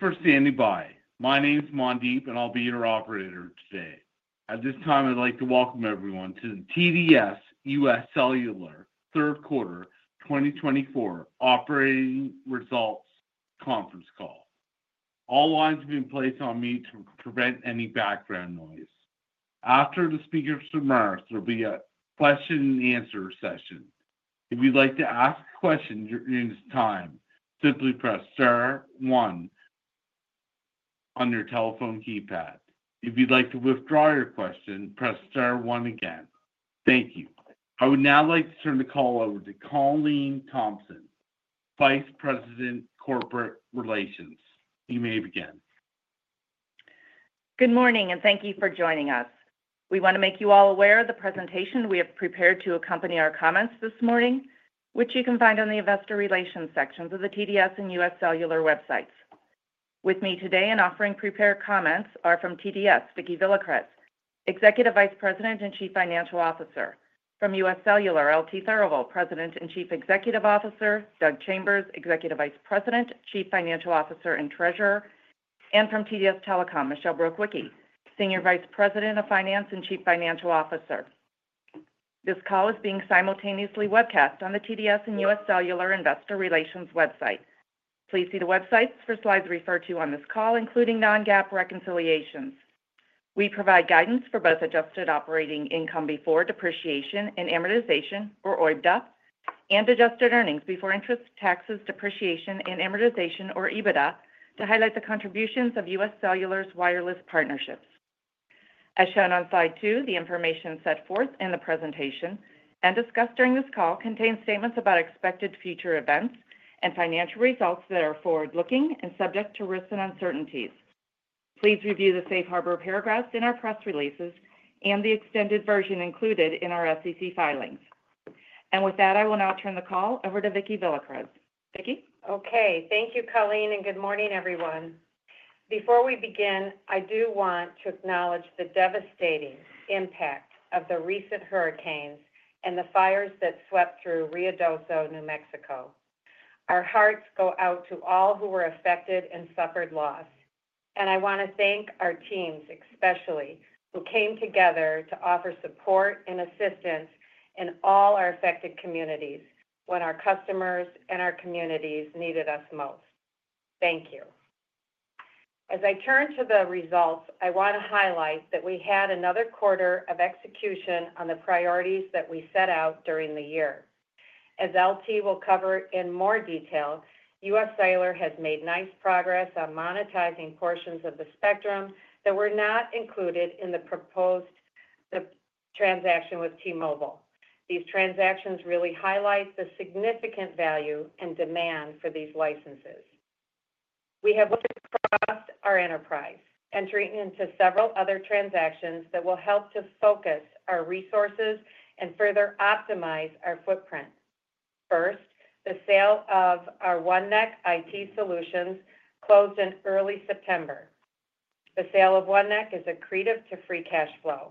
Thank you for standing by. My name's Mandeep, and I'll be your operator today. At this time, I'd like to welcome everyone to the TDS U.S. Cellular Third Quarter 2024 Operating Results Conference Call. All lines have been placed on mute to prevent any background noise. After the speaker's remarks, there'll be a question-and-answer session. If you'd like to ask a question during this time, simply press Star 1 on your telephone keypad. If you'd like to withdraw your question, press Star 1 again. Thank you. I would now like to turn the call over to Colleen Thompson, Vice President, Corporate Relations. You may begin. Good morning, and thank you for joining us. We want to make you all aware of the presentation we have prepared to accompany our comments this morning, which you can find on the Investor Relations sections of the TDS and U.S. Cellular websites. With me today and offering prepared comments are from TDS, Vicki Villacrez, Executive Vice President and Chief Financial Officer, from U.S. Cellular, L.T. Therivel, President and Chief Executive Officer, Doug Chambers, Executive Vice President, Chief Financial Officer and Treasurer, and from TDS Telecom, Michelle Brukwicki, Senior Vice President of Finance and Chief Financial Officer. This call is being simultaneously webcast on the TDS and U.S. Cellular Investor Relations website. Please see the websites for slides referred to on this call, including non-GAAP reconciliations. We provide guidance for both adjusted operating income before depreciation and amortization, or OIBDA, and adjusted earnings before interest, taxes, depreciation, and amortization, or EBITDA, to highlight the contributions of U.S. Cellular's wireless partnerships. As shown on Slide 2, the information set forth in the presentation and discussed during this call contains statements about expected future events and financial results that are forward-looking and subject to risks and uncertainties. Please review the safe harbor paragraphs in our press releases and the extended version included in our SEC filings. And with that, I will now turn the call over to Vicki Villacrez. Vicki. Okay. Thank you, Colleen, and good morning, everyone. Before we begin, I do want to acknowledge the devastating impact of the recent hurricanes and the fires that swept through Ruidoso, New Mexico. Our hearts go out to all who were affected and suffered loss, and I want to thank our teams especially who came together to offer support and assistance in all our affected communities when our customers and our communities needed us most. Thank you. As I turn to the results, I want to highlight that we had another quarter of execution on the priorities that we set out during the year. As L. T. will cover in more detail, U.S. Cellular has made nice progress on monetizing portions of the spectrum that were not included in the proposed transaction with T-Mobile. These transactions really highlight the significant value and demand for these licenses. We have looked across our enterprise, entering into several other transactions that will help to focus our resources and further optimize our footprint. First, the sale of our OneNeck IT Solutions closed in early September. The sale of OneNeck is a creator of free cash flow.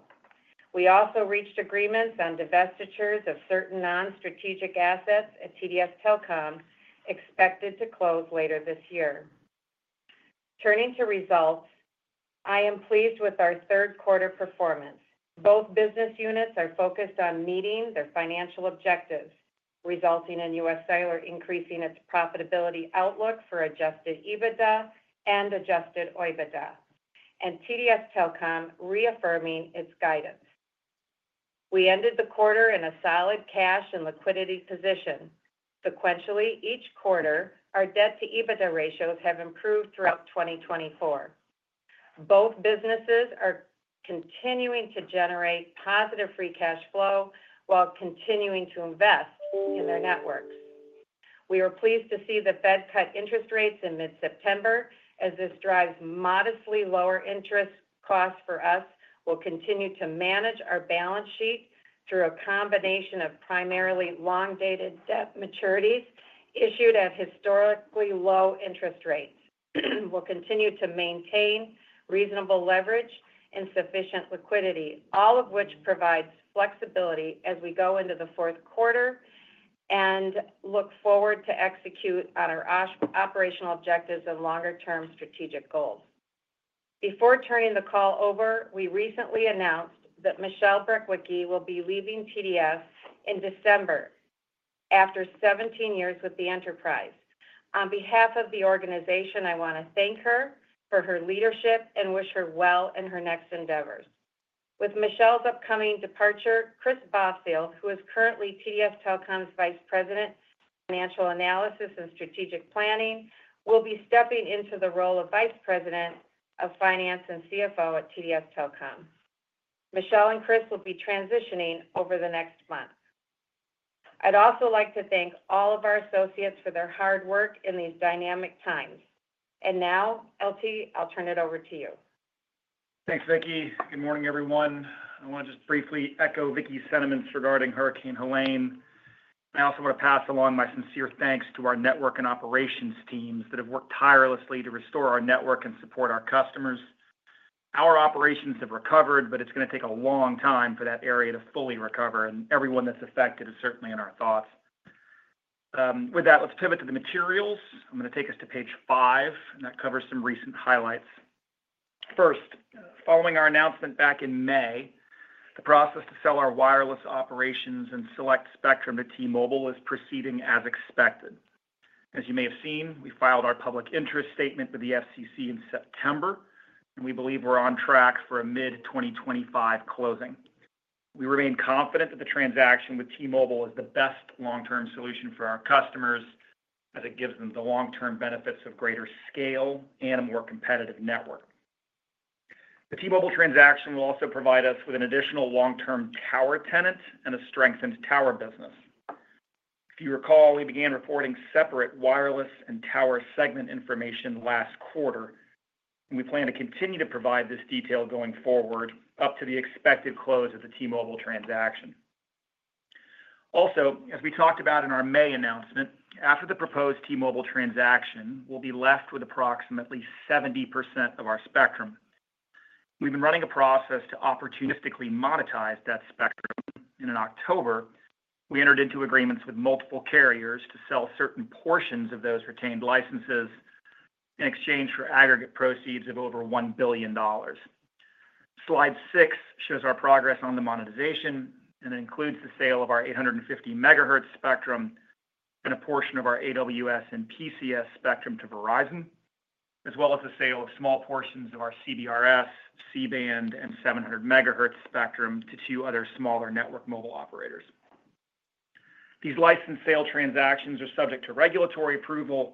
We also reached agreements on divestitures of certain non-strategic assets at TDS Telecom, expected to close later this year. Turning to results, I am pleased with our third quarter performance. Both business units are focused on meeting their financial objectives, resulting in U.S. Cellular increasing its profitability outlook for adjusted EBITDA and adjusted OIBDA, and TDS Telecom reaffirming its guidance. We ended the quarter in a solid cash and liquidity position. Sequentially, each quarter, our debt-to-EBITDA ratios have improved throughout 2024. Both businesses are continuing to generate positive free cash flow while continuing to invest in their networks. We are pleased to see the Fed cut interest rates in mid-September, as this drives modestly lower interest costs for us. We'll continue to manage our balance sheet through a combination of primarily long-dated debt maturities issued at historically low interest rates. We'll continue to maintain reasonable leverage and sufficient liquidity, all of which provides flexibility as we go into the fourth quarter and look forward to execute on our operational objectives and longer-term strategic goals. Before turning the call over, we recently announced that Michelle Brukwicki will be leaving TDS in December after 17 years with the enterprise. On behalf of the organization, I want to thank her for her leadership and wish her well in her next endeavors. With Michelle's upcoming departure, Chris Bothfeld, who is currently TDS Telecom's Vice President, Financial Analysis and Strategic Planning, will be stepping into the role of Vice President of Finance and CFO at TDS Telecom. Michelle and Chris will be transitioning over the next month. I'd also like to thank all of our associates for their hard work in these dynamic times. And now, L.T., I'll turn it over to you. Thanks, Vicki. Good morning, everyone. I want to just briefly echo Vicki's sentiments regarding Hurricane Helene. I also want to pass along my sincere thanks to our network and operations teams that have worked tirelessly to restore our network and support our customers. Our operations have recovered, but it's going to take a long time for that area to fully recover, and everyone that's affected is certainly in our thoughts. With that, let's pivot to the materials. I'm going to take us to page five, and that covers some recent highlights. First, following our announcement back in May, the process to sell our wireless operations and select spectrum to T-Mobile is proceeding as expected. As you may have seen, we filed our public interest statement with the FCC in September, and we believe we're on track for a mid-2025 closing. We remain confident that the transaction with T-Mobile is the best long-term solution for our customers as it gives them the long-term benefits of greater scale and a more competitive network. The T-Mobile transaction will also provide us with an additional long-term tower tenant and a strengthened tower business. If you recall, we began reporting separate wireless and tower segment information last quarter, and we plan to continue to provide this detail going forward up to the expected close of the T-Mobile transaction. Also, as we talked about in our May announcement, after the proposed T-Mobile transaction, we'll be left with approximately 70% of our spectrum. We've been running a process to opportunistically monetize that spectrum, and in October, we entered into agreements with multiple carriers to sell certain portions of those retained licenses in exchange for aggregate proceeds of over $1 billion. Slide 6 shows our progress on the monetization, and it includes the sale of our 850 megahertz spectrum and a portion of our AWS and PCS spectrum to Verizon, as well as the sale of small portions of our CBRS, C-Band, and 700 megahertz spectrum to two other smaller network mobile operators. These license sale transactions are subject to regulatory approval,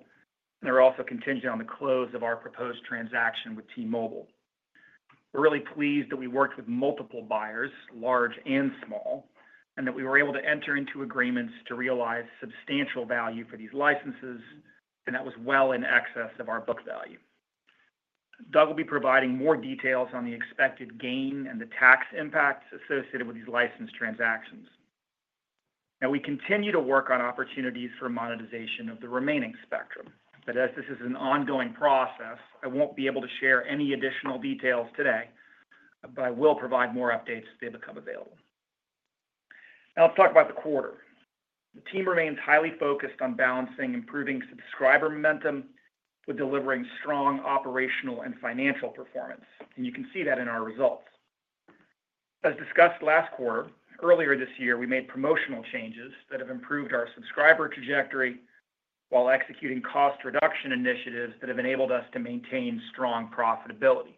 and they're also contingent on the close of our proposed transaction with T-Mobile. We're really pleased that we worked with multiple buyers, large and small, and that we were able to enter into agreements to realize substantial value for these licenses, and that was well in excess of our book value. Doug will be providing more details on the expected gain and the tax impacts associated with these license transactions. Now, we continue to work on opportunities for monetization of the remaining spectrum, but as this is an ongoing process, I won't be able to share any additional details today, but I will provide more updates as they become available. Now, let's talk about the quarter. The team remains highly focused on balancing improving subscriber momentum with delivering strong operational and financial performance, and you can see that in our results. As discussed last quarter, earlier this year, we made promotional changes that have improved our subscriber trajectory while executing cost reduction initiatives that have enabled us to maintain strong profitability.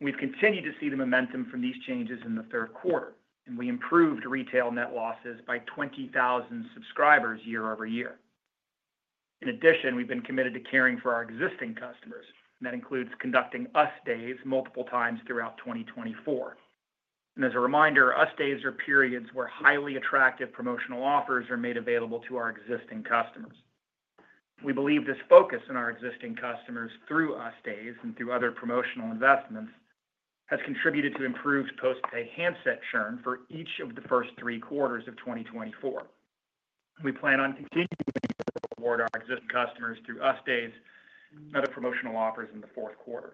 We've continued to see the momentum from these changes in the third quarter, and we improved retail net losses by 20,000 subscribers year over year. In addition, we've been committed to caring for our existing customers, and that includes conducting US Days multiple times throughout 2024. As a reminder, US Days are periods where highly attractive promotional offers are made available to our existing customers. We believe this focus on our existing customers through US Days and through other promotional investments has contributed to improved postpaid handset churn for each of the first three quarters of 2024. We plan on continuing to reward our existing customers through US Days and other promotional offers in the fourth quarter.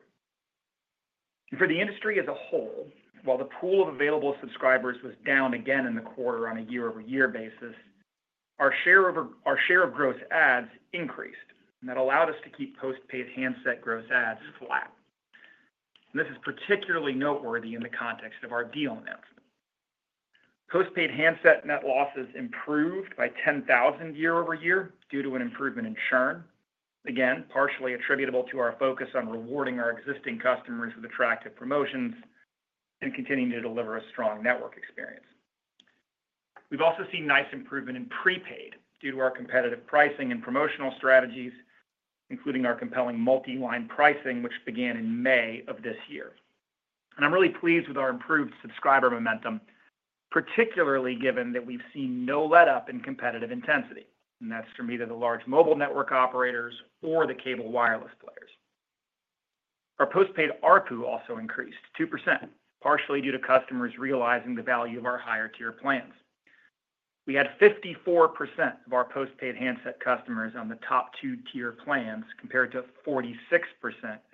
For the industry as a whole, while the pool of available subscribers was down again in the quarter on a year-over-year basis, our share of gross adds increased, and that allowed us to keep postpaid handset gross adds flat. This is particularly noteworthy in the context of our deal announcement. Post-pay handset net losses improved by 10,000 year over year due to an improvement in churn, again, partially attributable to our focus on rewarding our existing customers with attractive promotions and continuing to deliver a strong network experience. We've also seen nice improvement in prepaid due to our competitive pricing and promotional strategies, including our compelling multi-line pricing, which began in May of this year, and I'm really pleased with our improved subscriber momentum, particularly given that we've seen no let-up in competitive intensity, and that's from either the large mobile network operators or the cable wireless players. Our postpaid ARPU also increased 2%, partially due to customers realizing the value of our higher-tier plans. We had 54% of our postpaid handset customers on the top two-tier plans compared to 46%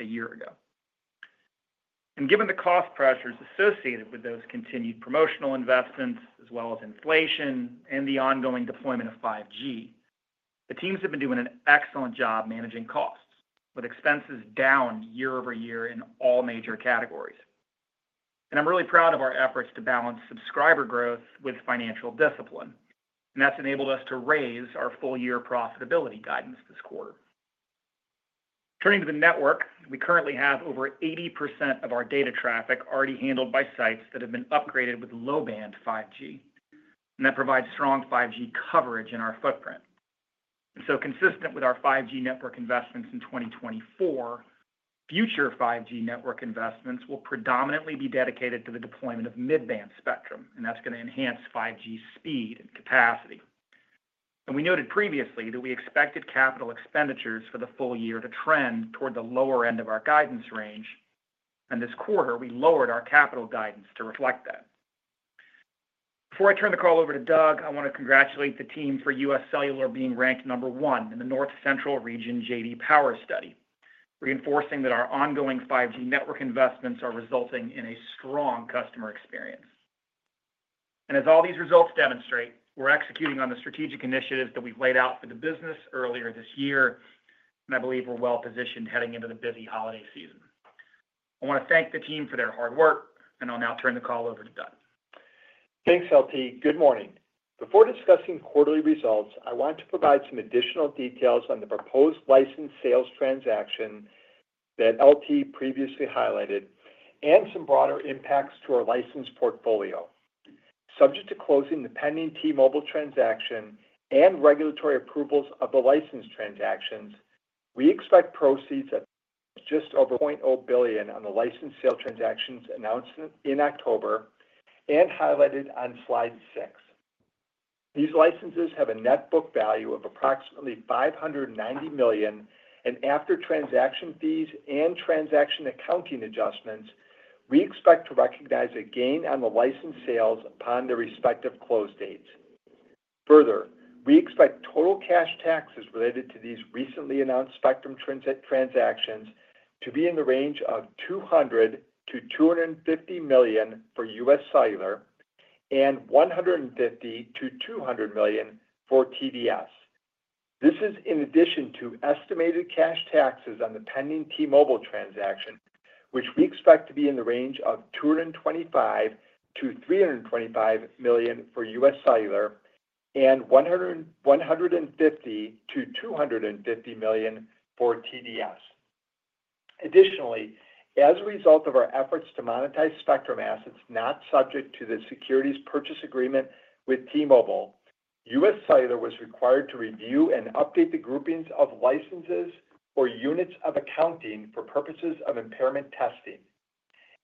a year ago. And given the cost pressures associated with those continued promotional investments, as well as inflation and the ongoing deployment of 5G, the teams have been doing an excellent job managing costs, with expenses down year over year in all major categories. And I'm really proud of our efforts to balance subscriber growth with financial discipline, and that's enabled us to raise our full-year profitability guidance this quarter. Turning to the network, we currently have over 80% of our data traffic already handled by sites that have been upgraded with low-band 5G, and that provides strong 5G coverage in our footprint. And so, consistent with our 5G network investments in 2024, future 5G network investments will predominantly be dedicated to the deployment of mid-band spectrum, and that's going to enhance 5G speed and capacity. And we noted previously that we expected capital expenditures for the full year to trend toward the lower end of our guidance range, and this quarter, we lowered our capital guidance to reflect that. Before I turn the call over to Doug, I want to congratulate the team for U.S. Cellular being ranked number one in the North Central Region J.D. Power study, reinforcing that our ongoing 5G network investments are resulting in a strong customer experience. And as all these results demonstrate, we're executing on the strategic initiatives that we've laid out for the business earlier this year, and I believe we're well-positioned heading into the busy holiday season. I want to thank the team for their hard work, and I'll now turn the call over to Doug. Thanks, L.T. Good morning. Before discussing quarterly results, I want to provide some additional details on the proposed license sales transaction that L.T. previously highlighted and some broader impacts to our license portfolio. Subject to closing the pending T-Mobile transaction and regulatory approvals of the license transactions, we expect proceeds of just over $1.0 billion on the license sale transactions announced in October and highlighted on slide 6. These licenses have a net book value of approximately $590 million, and after transaction fees and transaction accounting adjustments, we expect to recognize a gain on the license sales upon their respective close dates. Further, we expect total cash taxes related to these recently announced spectrum transactions to be in the range of $200-$250 million for U.S. Cellular and $150-$200 million for TDS. This is in addition to estimated cash taxes on the pending T-Mobile transaction, which we expect to be in the range of $225-$325 million for U.S. Cellular and $150-$250 million for TDS. Additionally, as a result of our efforts to monetize spectrum assets not subject to the securities purchase agreement with T-Mobile, U.S. Cellular was required to review and update the groupings of licenses or units of accounting for purposes of impairment testing.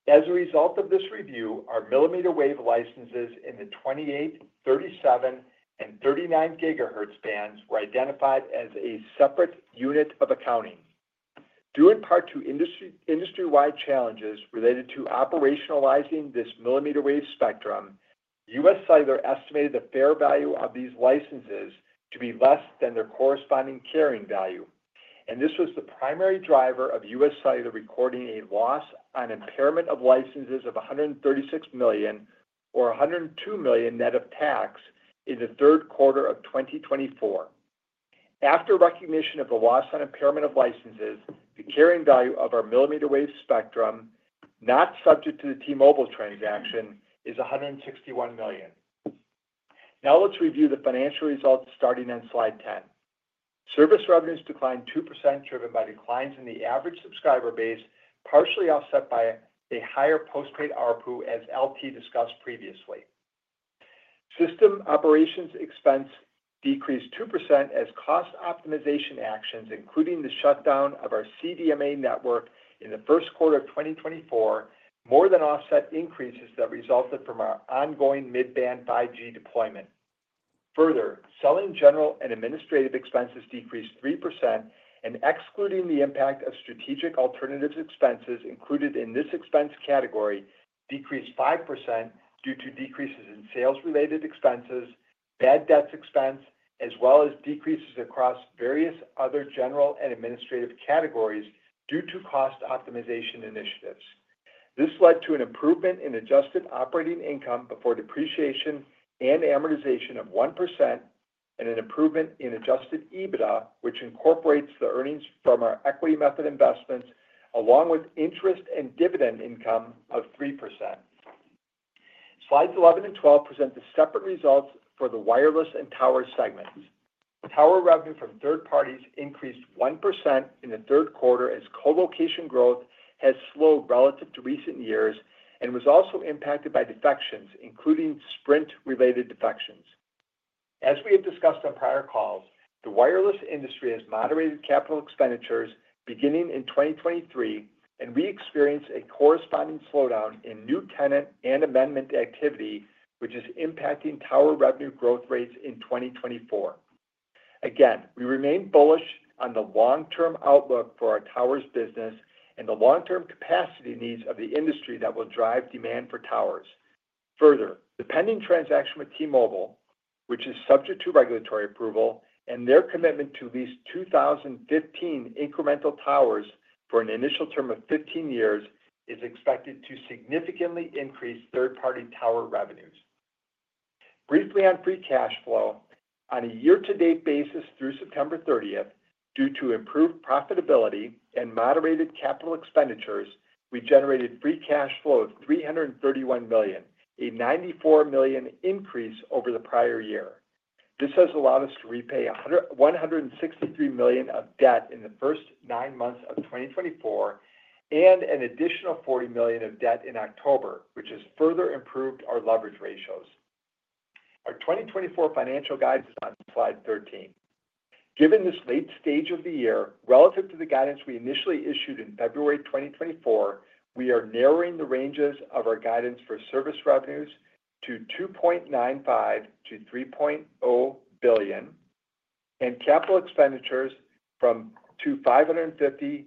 As a result of this review, our millimeter wave licenses in the 28, 37, and 39 gigahertz bands were identified as a separate unit of accounting. Due in part to industry-wide challenges related to operationalizing this millimeter wave spectrum, U.S. Cellular estimated the fair value of these licenses to be less than their corresponding carrying value, and this was the primary driver of U.S. Cellular recording a loss on impairment of licenses of $136 million or $102 million net of tax in the third quarter of 2024. After recognition of the loss on impairment of licenses, the carrying value of our millimeter wave spectrum, not subject to the T-Mobile transaction, is $161 million. Now, let's review the financial results starting on slide 10. Service revenues declined 2%, driven by declines in the average subscriber base, partially offset by a higher postpaid ARPU, as L.T. discussed previously. System operations expense decreased 2%, as cost optimization actions, including the shutdown of our CDMA network in the first quarter of 2024, more than offset increases that resulted from our ongoing mid-band 5G deployment. Further, selling, general, and administrative expenses decreased 3%, and excluding the impact of strategic alternatives expenses included in this expense category decreased 5% due to decreases in sales-related expenses, bad debts expense, as well as decreases across various other general and administrative categories due to cost optimization initiatives. This led to an improvement in adjusted operating income before depreciation and amortization of 1%, and an improvement in adjusted EBITDA, which incorporates the earnings from our equity method investments, along with interest and dividend income of 3%. Slides 11 and 12 present the separate results for the wireless and tower segments. Tower revenue from third parties increased 1% in the third quarter as colocation growth has slowed relative to recent years and was also impacted by defections, including Sprint-related defections. As we have discussed on prior calls, the wireless industry has moderated capital expenditures beginning in 2023, and we experienced a corresponding slowdown in new tenant and amendment activity, which is impacting tower revenue growth rates in 2024. Again, we remain bullish on the long-term outlook for our towers business and the long-term capacity needs of the industry that will drive demand for towers. Further, the pending transaction with T-Mobile, which is subject to regulatory approval and their commitment to at least 2,015 incremental towers for an initial term of 15 years, is expected to significantly increase third-party tower revenues. Briefly on free cash flow, on a year-to-date basis through September 30th, due to improved profitability and moderated capital expenditures, we generated free cash flow of $331 million, a $94 million increase over the prior year. This has allowed us to repay $163 million of debt in the first nine months of 2024 and an additional $40 million of debt in October, which has further improved our leverage ratios. Our 2024 financial guidance is on slide 13. Given this late stage of the year, relative to the guidance we initially issued in February 2024, we are narrowing the ranges of our guidance for service revenues to $2.95-$3.0 billion and capital expenditures from $550-$600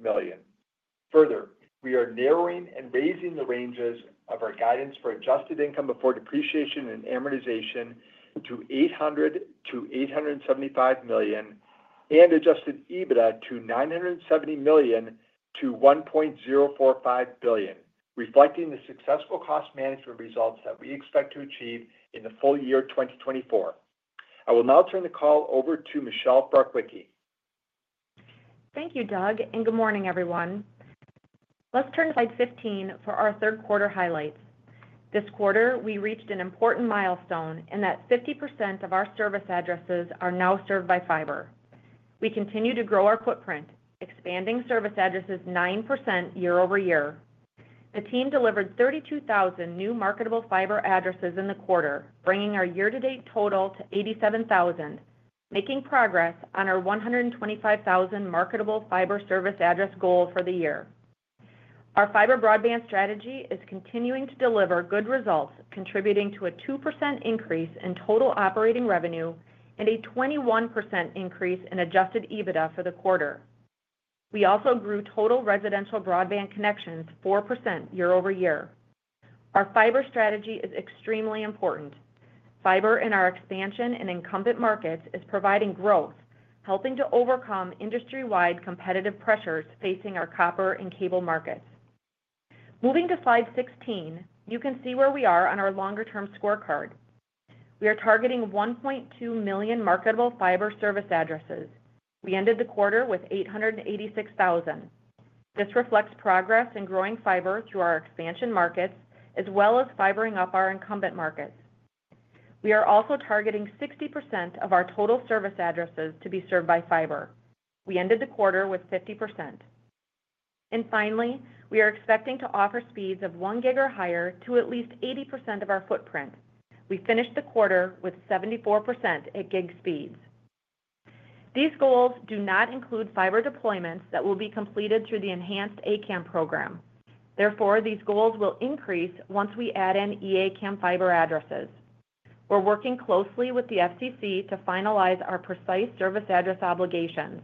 million. Further, we are narrowing and raising the ranges of our guidance for adjusted income before depreciation and amortization to $800-$875 million and adjusted EBITDA to $970 million-$1.045 billion, reflecting the successful cost management results that we expect to achieve in the full year 2024. I will now turn the call over to Michelle Brukwicki. Thank you, Doug, and good morning, everyone. Let's turn to slide 15 for our third quarter highlights. This quarter, we reached an important milestone in that 50% of our service addresses are now served by fiber. We continue to grow our footprint, expanding service addresses 9% year over year. The team delivered 32,000 new marketable fiber addresses in the quarter, bringing our year-to-date total to 87,000, making progress on our 125,000 marketable fiber service address goal for the year. Our fiber broadband strategy is continuing to deliver good results, contributing to a 2% increase in total operating revenue and a 21% increase in adjusted EBITDA for the quarter. We also grew total residential broadband connections 4% year over year. Our fiber strategy is extremely important. Fiber in our expansion and incumbent markets is providing growth, helping to overcome industry-wide competitive pressures facing our copper and cable markets. Moving to slide 16, you can see where we are on our longer-term scorecard. We are targeting 1.2 million marketable fiber service addresses. We ended the quarter with 886,000. This reflects progress in growing fiber through our expansion markets, as well as fibering up our incumbent markets. We are also targeting 60% of our total service addresses to be served by fiber. We ended the quarter with 50%. And finally, we are expecting to offer speeds of one gig or higher to at least 80% of our footprint. We finished the quarter with 74% at gig speeds. These goals do not include fiber deployments that will be completed through the enhanced A-CAM program. Therefore, these goals will increase once we add in E-A-CAM fiber addresses. We're working closely with the FCC to finalize our precise service address obligations.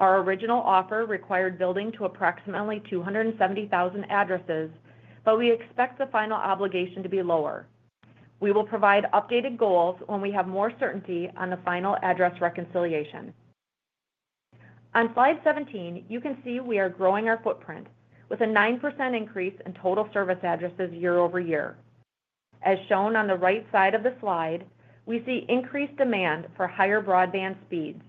Our original offer required building to approximately 270,000 addresses, but we expect the final obligation to be lower. We will provide updated goals when we have more certainty on the final address reconciliation. On slide 17, you can see we are growing our footprint with a 9% increase in total service addresses year over year. As shown on the right side of the slide, we see increased demand for higher broadband speeds,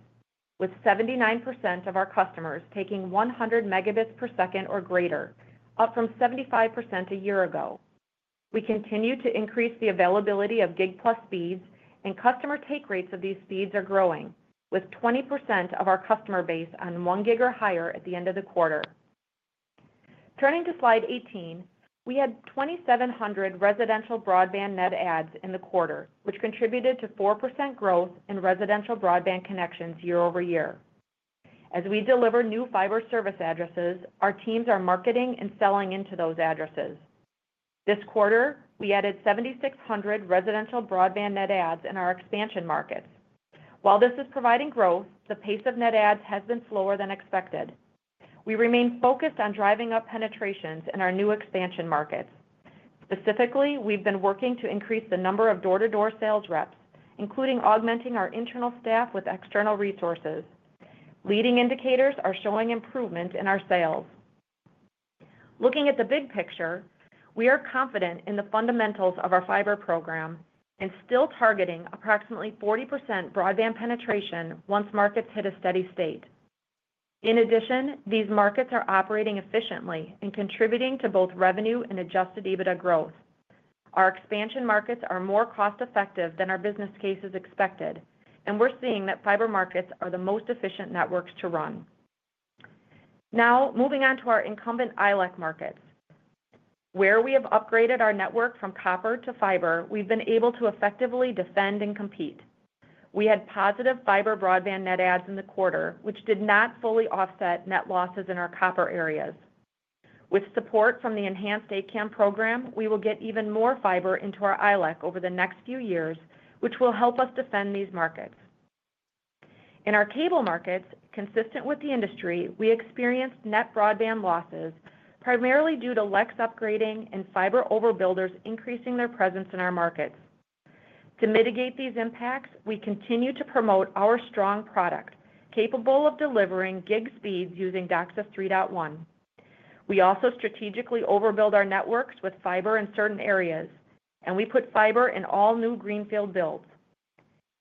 with 79% of our customers taking 100 megabits per second or greater, up from 75% a year ago. We continue to increase the availability of gig-plus speeds, and customer take rates of these speeds are growing, with 20% of our customer base on one gig or higher at the end of the quarter. Turning to slide 18, we had 2,700 residential broadband net adds in the quarter, which contributed to 4% growth in residential broadband connections year over year. As we deliver new fiber service addresses, our teams are marketing and selling into those addresses. This quarter, we added 7,600 residential broadband net adds in our expansion markets. While this is providing growth, the pace of net adds has been slower than expected. We remain focused on driving up penetrations in our new expansion markets. Specifically, we've been working to increase the number of door-to-door sales reps, including augmenting our internal staff with external resources. Leading indicators are showing improvement in our sales. Looking at the big picture, we are confident in the fundamentals of our fiber program and still targeting approximately 40% broadband penetration once markets hit a steady state. In addition, these markets are operating efficiently and contributing to both revenue and Adjusted EBITDA growth. Our expansion markets are more cost-effective than our business cases expected, and we're seeing that fiber markets are the most efficient networks to run. Now, moving on to our incumbent ILEC markets. Where we have upgraded our network from copper to fiber, we've been able to effectively defend and compete. We had positive fiber broadband net adds in the quarter, which did not fully offset net losses in our copper areas. With support from the enhanced A-CAM program, we will get even more fiber into our ILEC over the next few years, which will help us defend these markets. In our cable markets, consistent with the industry, we experienced net broadband losses, primarily due to CLEC upgrading and fiber overbuilders increasing their presence in our markets. To mitigate these impacts, we continue to promote our strong product, capable of delivering gig speeds using DOCSIS 3.1. We also strategically overbuild our networks with fiber in certain areas, and we put fiber in all new greenfield builds.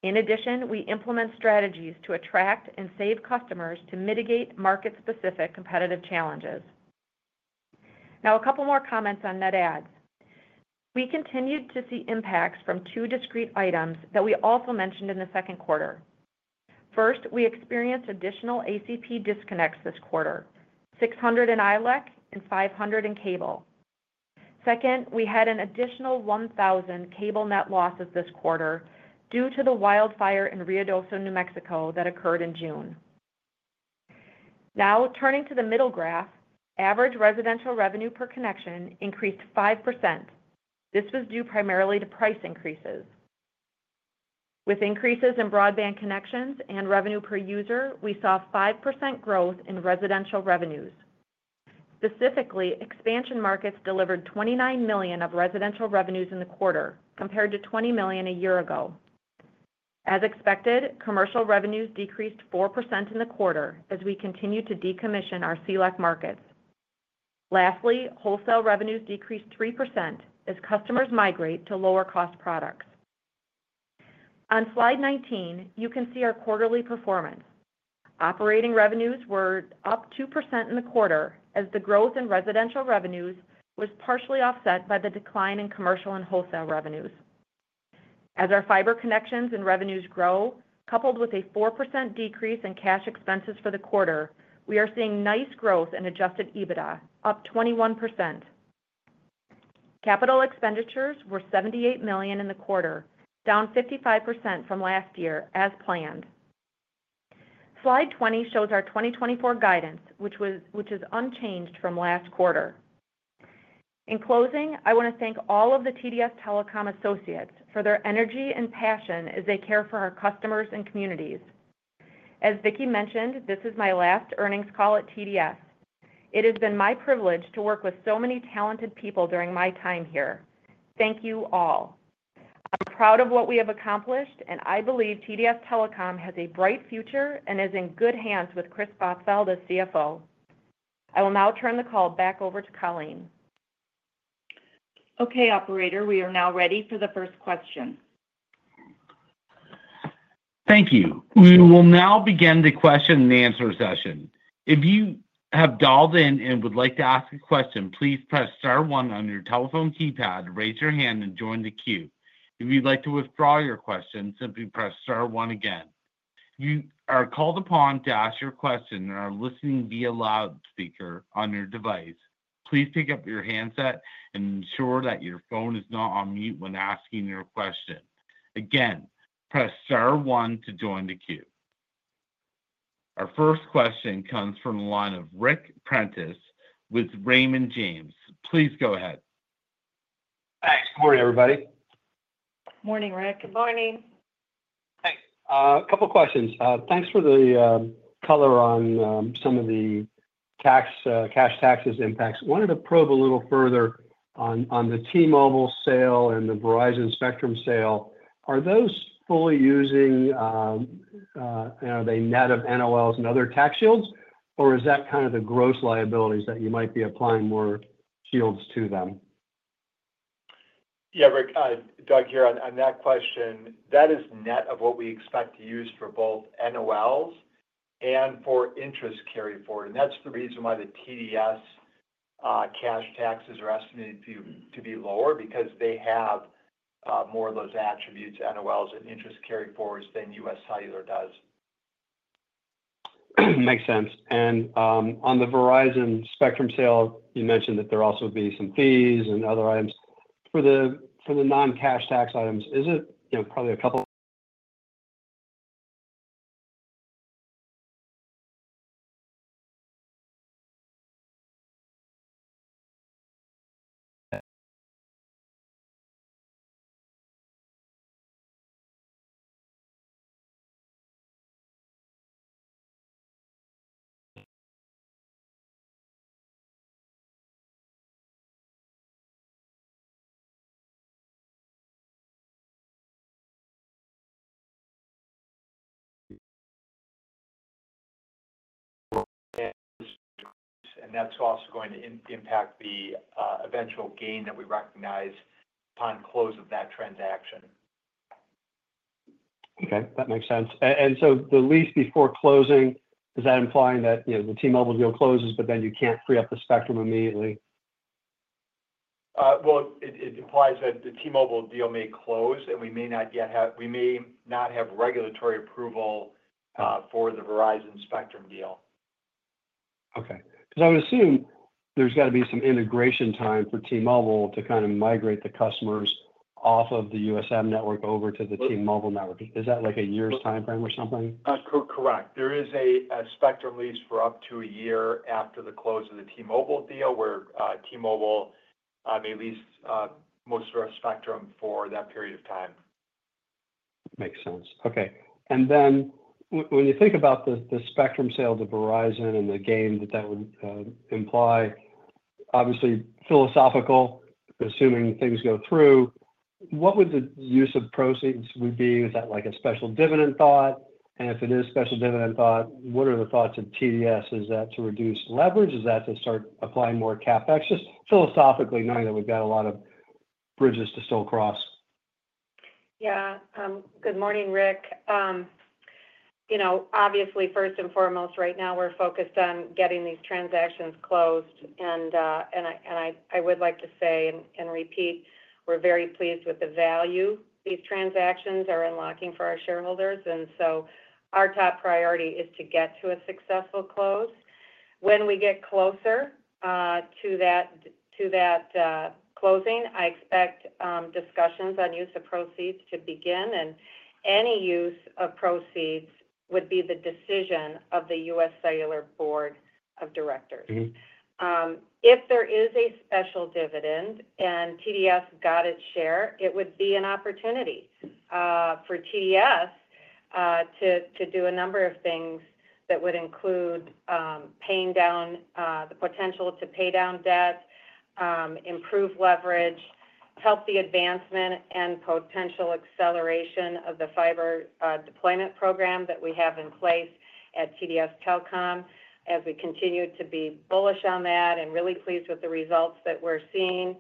In addition, we implement strategies to attract and save customers to mitigate market-specific competitive challenges. Now, a couple more comments on net adds. We continued to see impacts from two discrete items that we also mentioned in the second quarter. First, we experienced additional ACP disconnects this quarter, 600 in ILEC and 500 in cable. Second, we had an additional 1,000 cable net losses this quarter due to the wildfire in Ruidoso, New Mexico, that occurred in June. Now, turning to the middle graph, average residential revenue per connection increased 5%. This was due primarily to price increases. With increases in broadband connections and revenue per user, we saw 5% growth in residential revenues. Specifically, expansion markets delivered $29 million of residential revenues in the quarter, compared to $20 million a year ago. As expected, commercial revenues decreased 4% in the quarter as we continue to decommission our CLEC markets. Lastly, wholesale revenues decreased 3% as customers migrate to lower-cost products. On slide 19, you can see our quarterly performance. Operating revenues were up 2% in the quarter as the growth in residential revenues was partially offset by the decline in commercial and wholesale revenues. As our fiber connections and revenues grow, coupled with a 4% decrease in cash expenses for the quarter, we are seeing nice growth in Adjusted EBITDA, up 21%. Capital expenditures were $78 million in the quarter, down 55% from last year, as planned. Slide 20 shows our 2024 guidance, which is unchanged from last quarter. In closing, I want to thank all of the TDS Telecom associates for their energy and passion as they care for our customers and communities. As Vicki mentioned, this is my last earnings call at TDS. It has been my privilege to work with so many talented people during my time here. Thank you all. I'm proud of what we have accomplished, and I believe TDS Telecom has a bright future and is in good hands with Chris Bothfeld, as CFO. I will now turn the call back over to Colleen. Okay, Operator, we are now ready for the first question. Thank you. We will now begin the question-and-answer session. If you have dialed in and would like to ask a question, please press star one on your telephone keypad, raise your hand, and join the queue. If you'd like to withdraw your question, simply press star one again. You are called upon to ask your question and are listening via loudspeaker on your device. Please pick up your handset and ensure that your phone is not on mute when asking your question. Again, press star one to join the queue. Our first question comes from the line of Rick Prentiss with Raymond James. Please go ahead. Thanks. Good morning, everybody. Morning, Rick. Good morning. Hey. A couple of questions. Thanks for the color on some of the cash taxes impacts. Wanted to probe a little further on the T-Mobile sale and the Verizon spectrum sale. Are those fully using, are they net of NOLs and other tax shields, or is that kind of the gross liabilities that you might be applying more shields to them? Yeah, Rick, Doug here on that question. That is net of what we expect to use for both NOLs and for interest carry forward. And that's the reason why the TDS cash taxes are estimated to be lower, because they have more of those attributes, NOLs and interest carry forwards, than U.S. Cellular does. Makes sense. And on the Verizon spectrum sale, you mentioned that there also would be some fees and other items. For the non-cash tax items, is it probably a couple? That's also going to impact the eventual gain that we recognize upon close of that transaction. Okay. That makes sense. And so the lease before closing, is that implying that the T-Mobile deal closes, but then you can't free up the spectrum immediately? It implies that the T-Mobile deal may close, and we may not yet have regulatory approval for the Verizon Spectrum deal. Okay. Because I would assume there's got to be some integration time for T-Mobile to kind of migrate the customers off of the U.S. Cellular network over to the T-Mobile network. Is that like a year's timeframe or something? Correct. There is a spectrum lease for up to a year after the close of the T-Mobile deal, where T-Mobile may lease most of our spectrum for that period of time. Makes sense. Okay. And then when you think about the spectrum sale to Verizon and the gain that that would imply, obviously philosophical, assuming things go through, what would the use of proceeds be? Is that like a special dividend thought? And if it is special dividend thought, what are the thoughts of TDS? Is that to reduce leverage? Is that to start applying more CapEx? Just philosophically, knowing that we've got a lot of bridges to still cross. Yeah. Good morning, Rick. Obviously, first and foremost, right now we're focused on getting these transactions closed. And I would like to say and repeat, we're very pleased with the value these transactions are unlocking for our shareholders. And so our top priority is to get to a successful close. When we get closer to that closing, I expect discussions on use of proceeds to begin. And any use of proceeds would be the decision of the U.S. Cellular Board of Directors. If there is a special dividend and TDS got its share, it would be an opportunity for TDS to do a number of things that would include paying down the potential to pay down debt, improve leverage, help the advancement, and potential acceleration of the fiber deployment program that we have in place at TDS Telecom, as we continue to be bullish on that and really pleased with the results that we're seeing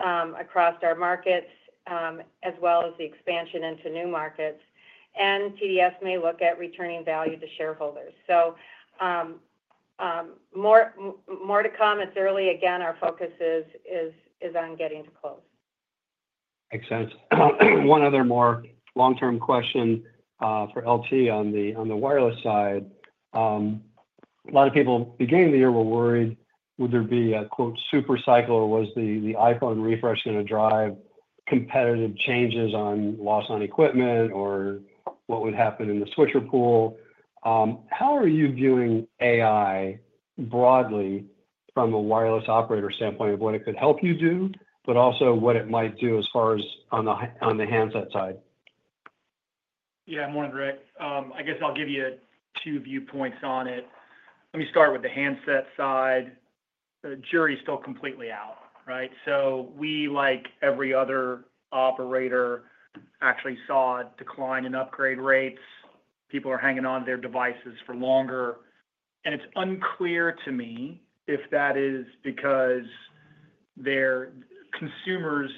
across our markets, as well as the expansion into new markets. And TDS may look at returning value to shareholders. So more to come. It's early. Again, our focus is on getting to close. Makes sense. One other more long-term question for LT on the wireless side. A lot of people beginning the year were worried, would there be a "supercycle" or was the iPhone refresh going to drive competitive changes on loss on equipment or what would happen in the switcher pool? How are you viewing AI broadly from a wireless operator standpoint of what it could help you do, but also what it might do as far as on the handset side? Yeah. Morning, Rick. I guess I'll give you two viewpoints on it. Let me start with the handset side. The jury's still completely out, right? So we, like every other operator, actually saw a decline in upgrade rates. People are hanging on to their devices for longer. And it's unclear to me if that is because their consumers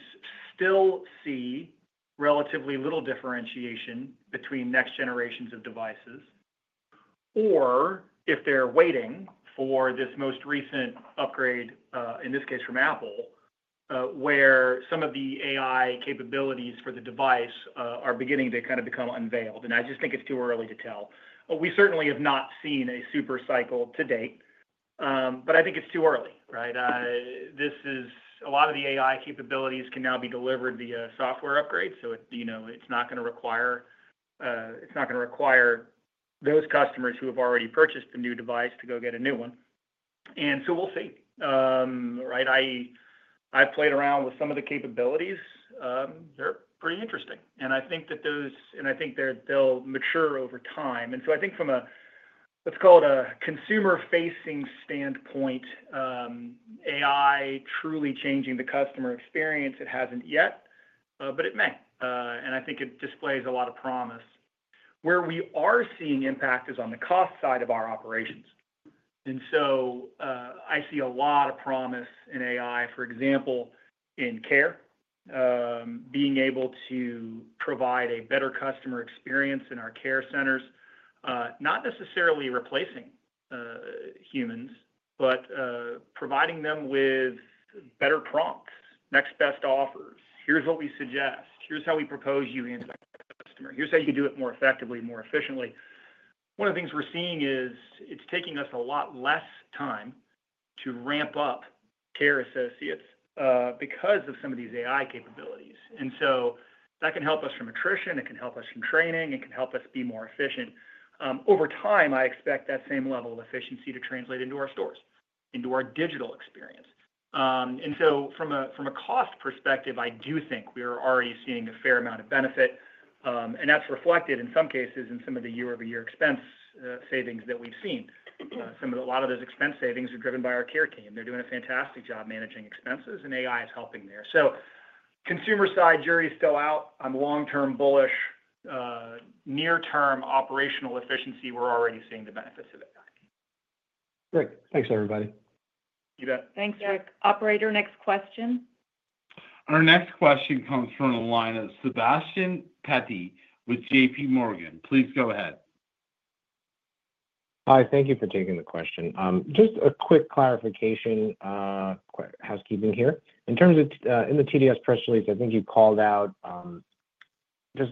still see relatively little differentiation between next generations of devices, or if they're waiting for this most recent upgrade, in this case from Apple, where some of the AI capabilities for the device are beginning to kind of become unveiled. And I just think it's too early to tell. We certainly have not seen a supercycle to date, but I think it's too early, right? A lot of the AI capabilities can now be delivered via software upgrades, so it's not going to require those customers who have already purchased a new device to go get a new one. And so we'll see, right? I've played around with some of the capabilities. They're pretty interesting. And I think that those and I think they'll mature over time. And so I think from a, let's call it a consumer-facing standpoint, AI truly changing the customer experience, it hasn't yet, but it may. And I think it displays a lot of promise. Where we are seeing impact is on the cost side of our operations. And so I see a lot of promise in AI, for example, in care, being able to provide a better customer experience in our care centers, not necessarily replacing humans, but providing them with better prompts, next best offers. Here's what we suggest. Here's how we propose you handle that customer. Here's how you do it more effectively, more efficiently. One of the things we're seeing is it's taking us a lot less time to ramp up care associates because of some of these AI capabilities. And so that can help us from attrition. It can help us from training. It can help us be more efficient. Over time, I expect that same level of efficiency to translate into our stores, into our digital experience. And so from a cost perspective, I do think we are already seeing a fair amount of benefit. And that's reflected in some cases in some of the year-over-year expense savings that we've seen. A lot of those expense savings are driven by our care team. They're doing a fantastic job managing expenses, and AI is helping there. So consumer side, jury's still out. I'm long-term bullish. Near-term operational efficiency, we're already seeing the benefits of AI. Great. Thanks, everybody. You bet. Thanks, Rick. Operator, next question. Our next question comes from the line of Sebastiano Petti with J.P. Morgan. Please go ahead. Hi. Thank you for taking the question. Just a quick clarification, housekeeping here. In the TDS press release, I think you called out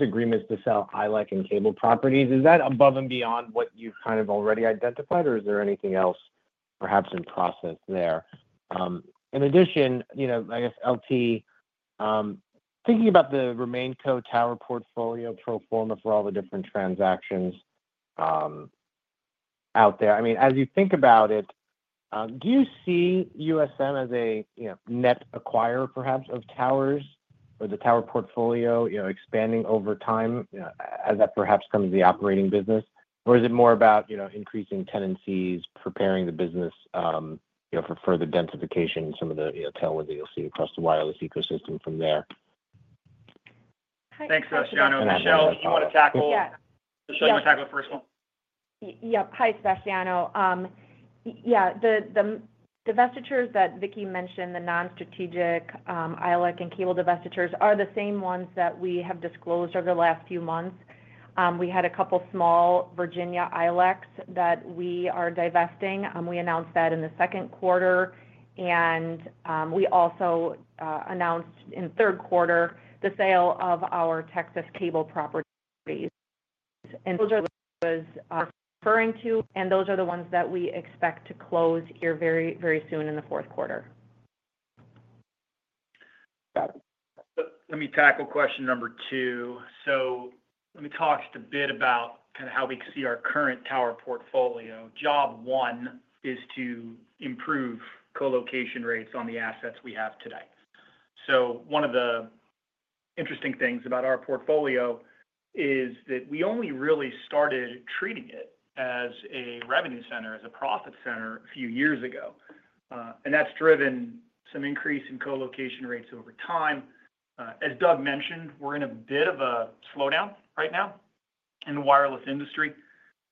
agreements to sell ILEC and cable properties. Is that above and beyond what you've kind of already identified, or is there anything else perhaps in process there? In addition, I guess LT, thinking about the RemainCo tower portfolio pro forma for all the different transactions out there, I mean, as you think about it, do you see USM as a net acquirer, perhaps, of towers or the tower portfolio expanding over time as that perhaps comes to the operating business? Or is it more about increasing tenancies, preparing the business for further densification, some of the tailwinds that you'll see across the wireless ecosystem from there? Thanks, Sebastiano. Michelle, do you want to tackle? Yeah. Michelle, do you want to tackle the first one? Yep. Hi, Sebastiano. Yeah. The divestitures that Vicki mentioned, the non-strategic ILEC and cable divestitures, are the same ones that we have disclosed over the last few months. We had a couple of small Virginia ILECs that we are divesting. We announced that in the second quarter, and we also announced in third quarter the sale of our Texas cable properties, and those are the ones I was referring to, and those are the ones that we expect to close here very, very soon in the fourth quarter. Got it. Let me tackle question number two. So let me talk just a bit about kind of how we see our current tower portfolio. Job one is to improve colocation rates on the assets we have today. So one of the interesting things about our portfolio is that we only really started treating it as a revenue center, as a profit center a few years ago. And that's driven some increase in colocation rates over time. As Doug mentioned, we're in a bit of a slowdown right now in the wireless industry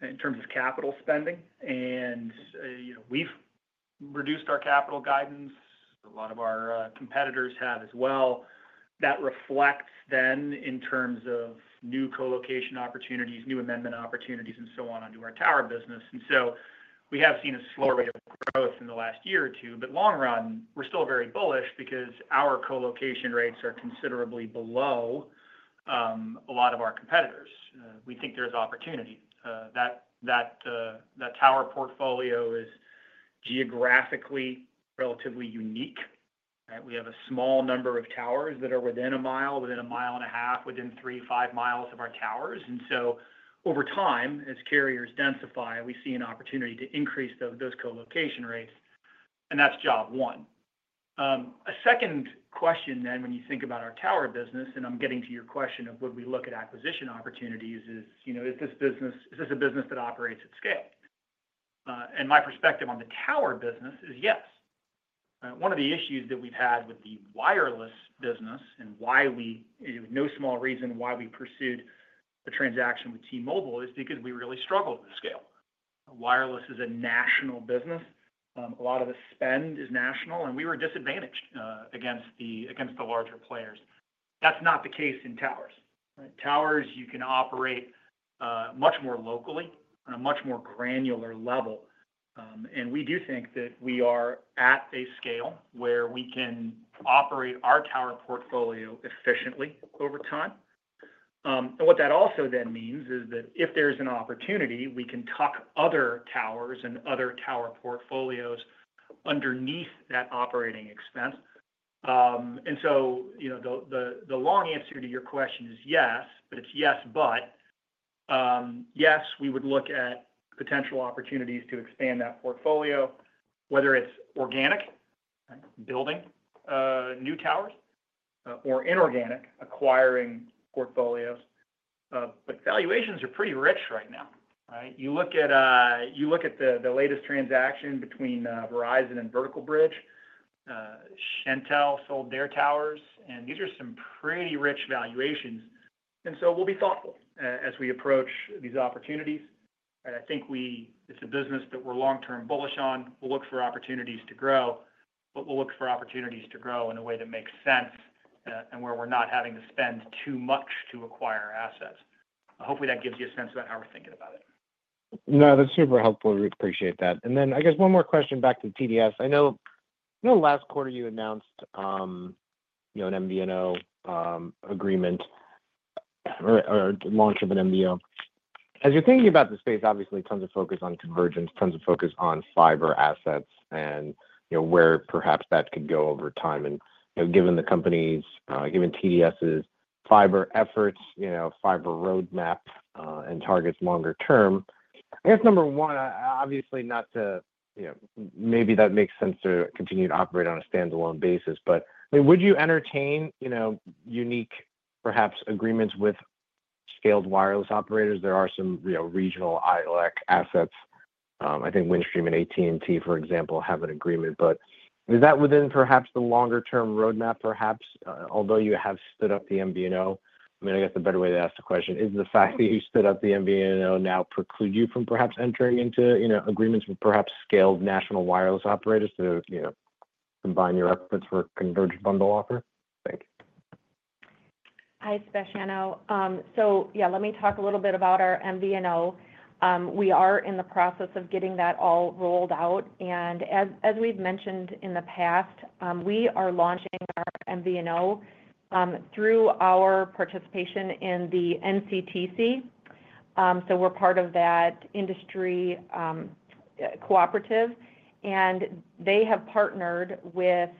in terms of capital spending. And we've reduced our capital guidance. A lot of our competitors have as well. That reflects then in terms of new colocation opportunities, new amendment opportunities, and so on onto our tower business. And so we have seen a slow rate of growth in the last year or two. in the long run, we're still very bullish because our colocation rates are considerably below a lot of our competitors. We think there's opportunity. That tower portfolio is geographically relatively unique. We have a small number of towers that are within a mile, within a mile and a half, within three, five miles of our towers. And so over time, as carriers densify, we see an opportunity to increase those colocation rates, and that's job one. A second question then, when you think about our tower business, and I'm getting to your question of would we look at acquisition opportunities, is this a business that operates at scale, and my perspective on the tower business is yes. One of the issues that we've had with the wireless business and why we, no small reason why we pursued the transaction with T-Mobile, is because we really struggled with scale. Wireless is a national business. A lot of the spend is national, and we were disadvantaged against the larger players. That's not the case in towers. Towers, you can operate much more locally on a much more granular level, and we do think that we are at a scale where we can operate our tower portfolio efficiently over time, and what that also then means is that if there's an opportunity, we can tuck other towers and other tower portfolios underneath that operating expense, and so the long answer to your question is yes, but it's yes, but yes, we would look at potential opportunities to expand that portfolio, whether it's organic, building new towers, or inorganic, acquiring portfolios, but valuations are pretty rich right now, right? You look at the latest transaction between Verizon and Vertical Bridge. Shentel sold their towers, and these are some pretty rich valuations. And so we'll be thoughtful as we approach these opportunities. And I think it's a business that we're long-term bullish on. We'll look for opportunities to grow, but we'll look for opportunities to grow in a way that makes sense and where we're not having to spend too much to acquire assets. Hopefully, that gives you a sense about how we're thinking about it. No, that's super helpful. We appreciate that. And then I guess one more question back to TDS. I know last quarter you announced an MVNO agreement or launch of an MVNO. As you're thinking about the space, obviously, tons of focus on convergence, tons of focus on fiber assets and where perhaps that could go over time, and given the companies, given TDS's fiber efforts, fiber roadmap, and targets longer term, I guess number one, obviously, not to maybe that makes sense to continue to operate on a standalone basis, but would you entertain unique, perhaps, agreements with scaled wireless operators. There are some regional ILEC assets. I think Windstream and AT&T, for example, have an agreement, but is that within perhaps the longer-term roadmap, perhaps? Although you have stood up the MVNO, I mean, I guess the better way to ask the question is the fact that you stood up the MVNO now preclude you from perhaps entering into agreements with perhaps scaled national wireless operators to combine your efforts for converged bundle offer? Thank you. Hi, Sebastiano. So yeah, let me talk a little bit about our MVNO. We are in the process of getting that all rolled out. And as we've mentioned in the past, we are launching our MVNO through our participation in the NCTC. So we're part of that industry cooperative. And they have partnered with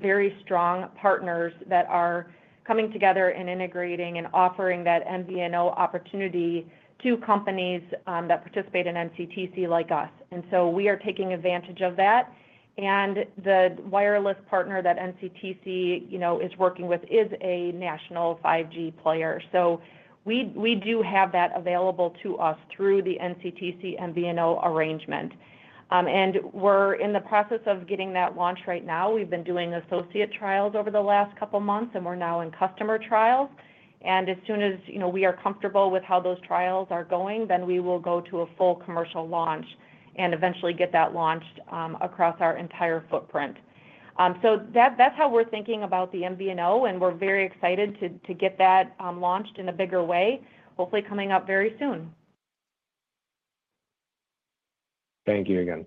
very strong partners that are coming together and integrating and offering that MVNO opportunity to companies that participate in NCTC like us. And so we are taking advantage of that. And the wireless partner that NCTC is working with is a national 5G player. So we do have that available to us through the NCTC MVNO arrangement. And we're in the process of getting that launch right now. We've been doing associate trials over the last couple of months, and we're now in customer trials. And as soon as we are comfortable with how those trials are going, then we will go to a full commercial launch and eventually get that launched across our entire footprint. So that's how we're thinking about the MVNO. And we're very excited to get that launched in a bigger way, hopefully coming up very soon. Thank you again.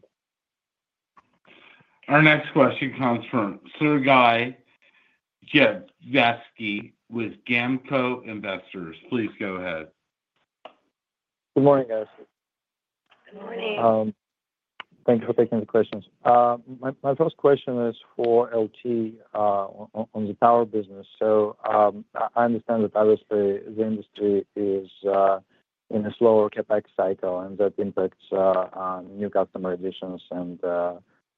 Our next question comes from Sergey Dluzhevskiy with GAMCO Investors. Please go ahead. Good morning, guys. Good morning. Thank you for taking the questions. My first question is for LT on the tower business. So I understand that obviously the industry is in a slower CapEx cycle, and that impacts new customer additions and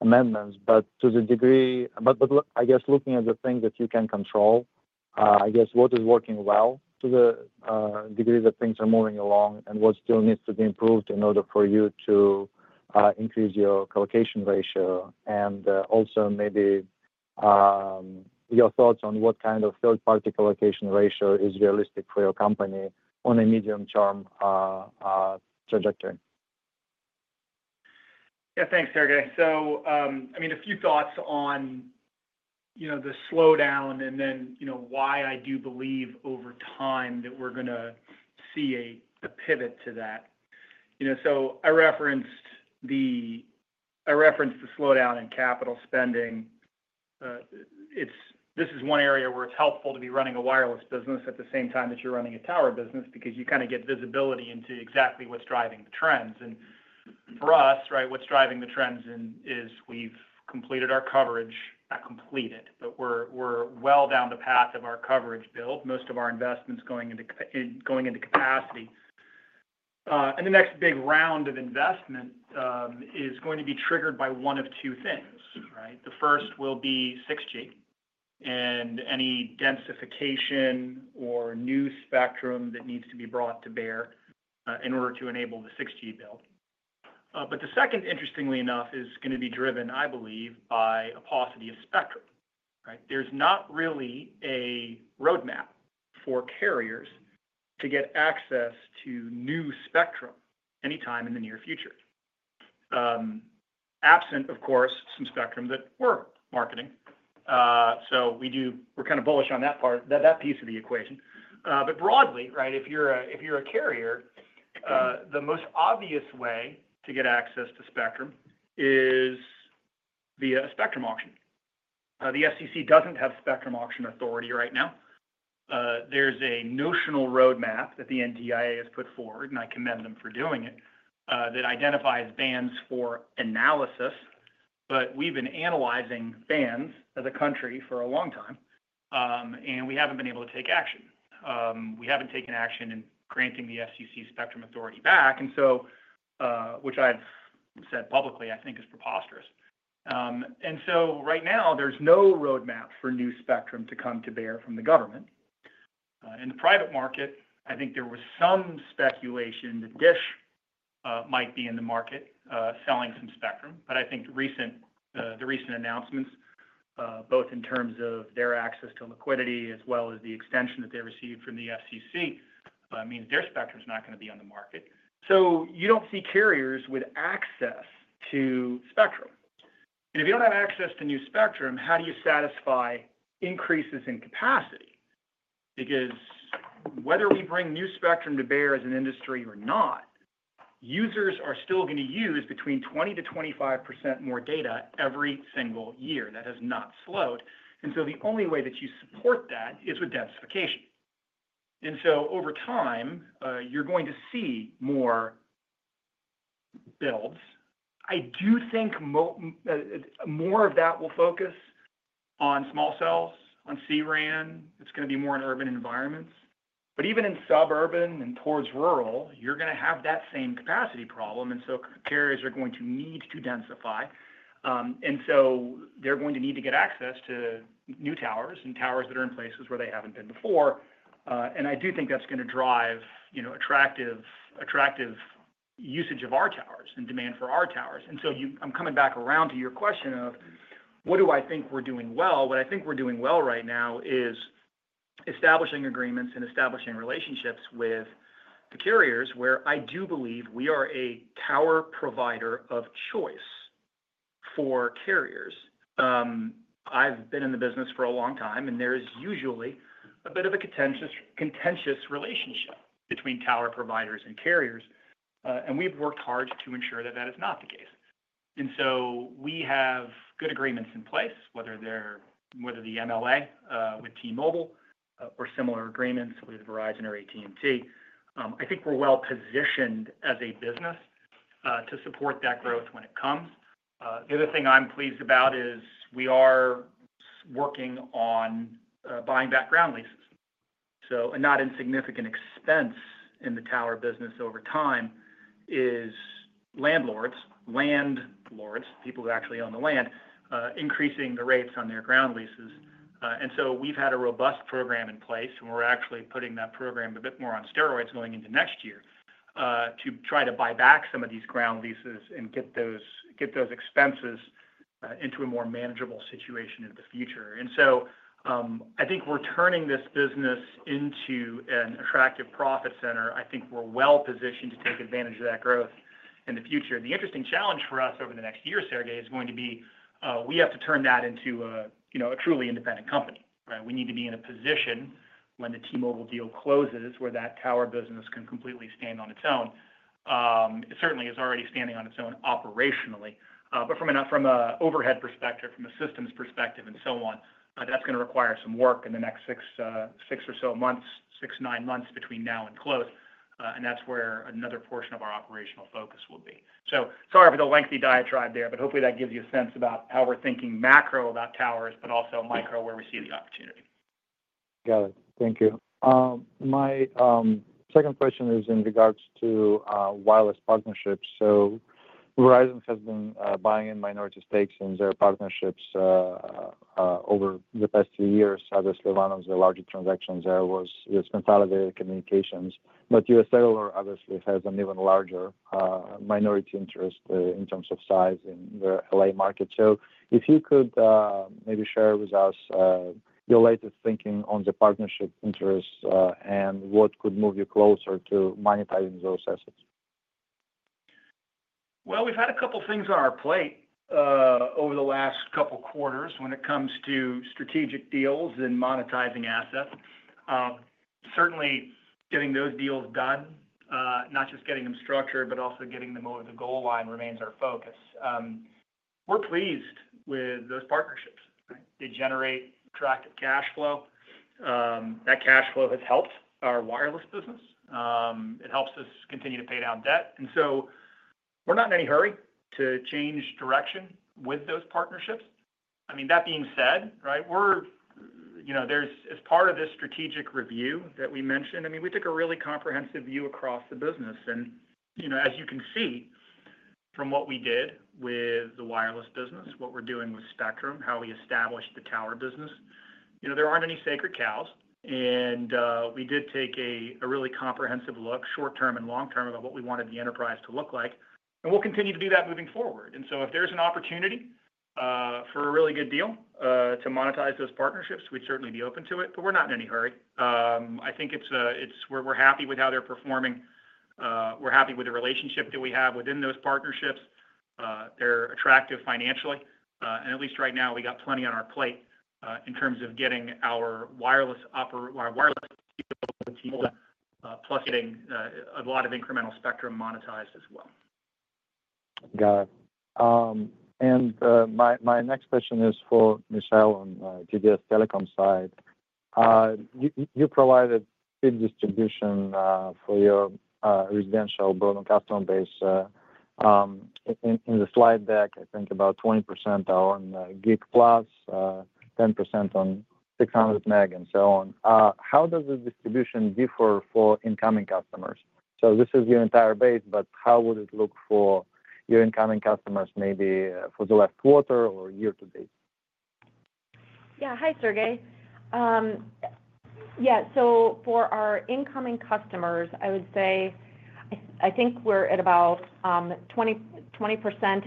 amendments. But to the degree, but I guess looking at the things that you can control, I guess what is working well to the degree that things are moving along and what still needs to be improved in order for you to increase your colocation ratio? And also maybe your thoughts on what kind of third-party colocation ratio is realistic for your company on a medium-term trajectory. Yeah. Thanks, Sergey. So I mean, a few thoughts on the slowdown and then why I do believe over time that we're going to see a pivot to that. So I referenced the slowdown in capital spending. This is one area where it's helpful to be running a wireless business at the same time that you're running a tower business because you kind of get visibility into exactly what's driving the trends. And for us, right, what's driving the trends is we've completed our coverage, not completed, but we're well down the path of our coverage build, most of our investments going into capacity. And the next big round of investment is going to be triggered by one of two things, right? The first will be 6G and any densification or new spectrum that needs to be brought to bear in order to enable the 6G build. But the second, interestingly enough, is going to be driven, I believe, by a paucity of spectrum, right? There's not really a roadmap for carriers to get access to new spectrum anytime in the near future, absent, of course, some spectrum that we're marketing. So we're kind of bullish on that part, that piece of the equation. But broadly, right, if you're a carrier, the most obvious way to get access to spectrum is via a spectrum auction. The FCC doesn't have spectrum auction authority right now. There's a notional roadmap that the NTIA has put forward, and I commend them for doing it, that identifies bands for analysis. But we've been analyzing bands as a country for a long time, and we haven't been able to take action. We haven't taken action in granting the FCC spectrum authority back, which I've said publicly, I think, is preposterous. Right now, there's no roadmap for new spectrum to come to bear from the government. In the private market, I think there was some speculation that DISH might be in the market selling some spectrum. But I think the recent announcements, both in terms of their access to liquidity as well as the extension that they received from the SEC, means their spectrum is not going to be on the market. So you don't see carriers with access to spectrum. And if you don't have access to new spectrum, how do you satisfy increases in capacity? Because whether we bring new spectrum to bear as an industry or not, users are still going to use between 20% to 25% more data every single year. That has not slowed. And so the only way that you support that is with densification. Over time, you're going to see more builds. I do think more of that will focus on small cells, on CRAN. It's going to be more in urban environments. Even in suburban and towards rural, you're going to have that same capacity problem. Carriers are going to need to densify. They're going to need to get access to new towers and towers that are in places where they haven't been before. I do think that's going to drive attractive usage of our towers and demand for our towers. I'm coming back around to your question of what do I think we're doing well? What I think we're doing well right now is establishing agreements and establishing relationships with the carriers where I do believe we are a tower provider of choice for carriers. I've been in the business for a long time, and there is usually a bit of a contentious relationship between tower providers and carriers, and we've worked hard to ensure that that is not the case, and so we have good agreements in place, whether they're with the MLA with T-Mobile or similar agreements with Verizon or AT&T. I think we're well positioned as a business to support that growth when it comes. The other thing I'm pleased about is we are working on buying ground leases, so a not insignificant expense in the tower business over time is landlords, people who actually own the land, increasing the rates on their ground leases. And so we've had a robust program in place, and we're actually putting that program a bit more on steroids going into next year to try to buy back some of these ground leases and get those expenses into a more manageable situation in the future. And so I think we're turning this business into an attractive profit center. I think we're well positioned to take advantage of that growth in the future. The interesting challenge for us over the next year, Sergey, is going to be we have to turn that into a truly independent company, right? We need to be in a position when the T-Mobile deal closes where that tower business can completely stand on its own. It certainly is already standing on its own operationally. But from an overhead perspective, from a systems perspective, and so on, that's going to require some work in the next six or so months, six, nine months between now and close. And that's where another portion of our operational focus will be. So sorry for the lengthy diatribe there, but hopefully that gives you a sense about how we're thinking macro about towers, but also micro where we see the opportunity. Got it. Thank you. My second question is in regards to wireless partnerships. So Verizon has been buying in minority stakes in their partnerships over the past few years. Obviously, one of the larger transactions there was with Consolidated Communications. But U.S. Cellular obviously has an even larger minority interest in terms of size in the LA market. So if you could maybe share with us your latest thinking on the partnership interests and what could move you closer to monetizing those assets? We've had a couple of things on our plate over the last couple of quarters when it comes to strategic deals and monetizing assets. Certainly, getting those deals done, not just getting them structured, but also getting them over the goal line remains our focus. We're pleased with those partnerships. They generate attractive cash flow. That cash flow has helped our wireless business. It helps us continue to pay down debt. And so we're not in any hurry to change direction with those partnerships. I mean, that being said, right, as part of this strategic review that we mentioned, I mean, we took a really comprehensive view across the business. And as you can see from what we did with the wireless business, what we're doing with spectrum, how we established the tower business, there aren't any sacred cows. We did take a really comprehensive look, short-term and long-term, about what we wanted the enterprise to look like. We'll continue to do that moving forward. So if there's an opportunity for a really good deal to monetize those partnerships, we'd certainly be open to it. But we're not in any hurry. I think we're happy with how they're performing. We're happy with the relationship that we have within those partnerships. They're attractive financially. At least right now, we got plenty on our plate in terms of getting our wireless capability plus getting a lot of incremental spectrum monetized as well. Got it. And my next question is for Michelle on TDS Telecom side. You provided broad distribution for your residential broadband base in the slide deck, I think about 20% on Gig Plus, 10% on 600 Meg, and so on. How does the distribution differ for incoming customers? So this is your entire base, but how would it look for your incoming customers maybe for the last quarter or year to date? Yeah. Hi, Sergey. Yeah. So for our incoming customers, I would say I think we're at about 20%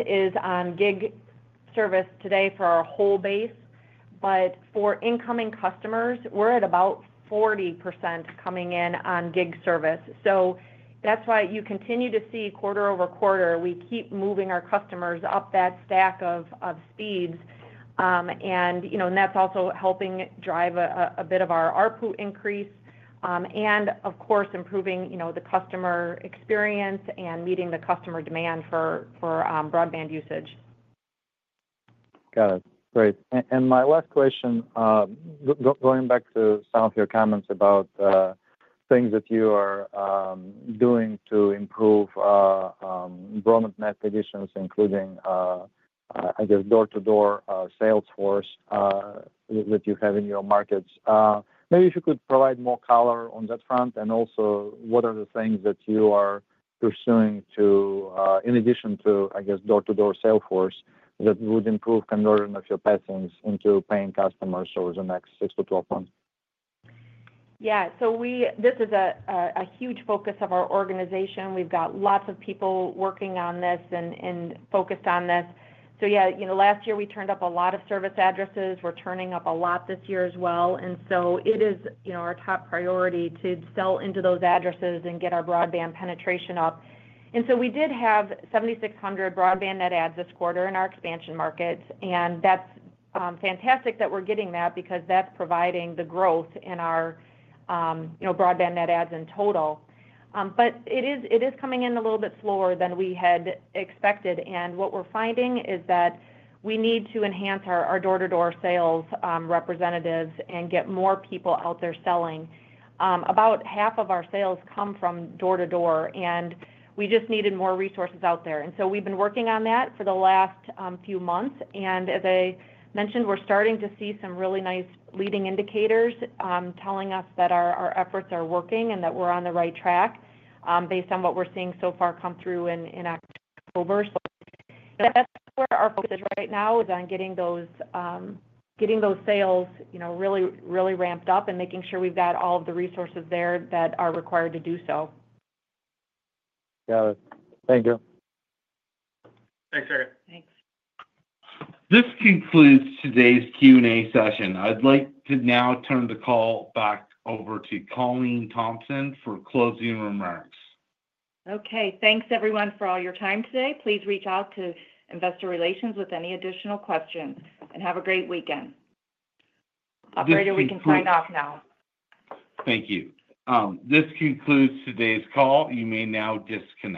is on Gig service today for our whole base. But for incoming customers, we're at about 40% coming in on Gig service. So that's why you continue to see quarter over quarter, we keep moving our customers up that stack of speeds. And that's also helping drive a bit of our ARPU increase and, of course, improving the customer experience and meeting the customer demand for broadband usage. Got it. Great. And my last question, going back to some of your comments about things that you are doing to improve broadband acquisitions, including, I guess, door-to-door sales force that you have in your markets. Maybe if you could provide more color on that front? And also, what are the things that you are pursuing in addition to, I guess, door-to-door sales force that would improve conversion of your passings into paying customers over the next six to 12 months? Yeah. So this is a huge focus of our organization. We've got lots of people working on this and focused on this. So yeah, last year, we turned up a lot of service addresses. We're turning up a lot this year as well. And so it is our top priority to sell into those addresses and get our broadband penetration up. And so we did have 7,600 broadband net adds this quarter in our expansion market. And that's fantastic that we're getting that because that's providing the growth in our broadband net adds in total. But it is coming in a little bit slower than we had expected. And what we're finding is that we need to enhance our door-to-door sales representatives and get more people out there selling. About half of our sales come from door-to-door, and we just needed more resources out there. And so we've been working on that for the last few months. And as I mentioned, we're starting to see some really nice leading indicators telling us that our efforts are working and that we're on the right track based on what we're seeing so far come through in October. So that's where our focus right now is on getting those sales really ramped up and making sure we've got all of the resources there that are required to do so. Got it. Thank you. Thanks, Sergey. Thanks. This concludes today's Q&A session. I'd like to now turn the call back over to Colleen Thompson for closing remarks. Okay. Thanks, everyone, for all your time today. Please reach out to Investor Relations with any additional questions and have a great weekend. Appreciate it. Sergey, we can sign off now. Thank you. This concludes today's call. You may now disconnect.